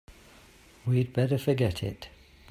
We'd better forget it.